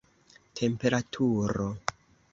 temperaturo